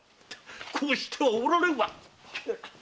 こうしてはおられんわ！